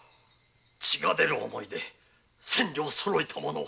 血が出る思いで千両そろえたものを。